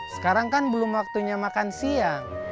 sekarang kan belum waktunya makan siang